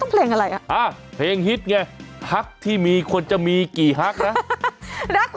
ถ้าเธอหุแล้วเธอสิเลิกอยู่บ่ะ